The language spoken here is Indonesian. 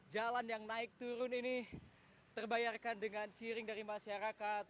jalan yang naik turun ini terbayarkan dengan ciring dari masyarakat